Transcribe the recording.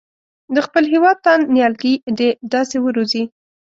د خپل هېواد تاند نیالګي دې داسې وروزي.